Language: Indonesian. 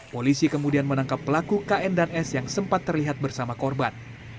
polisi kemudian menangkap pelaku kn dan s yang sempat terlihat bersama korban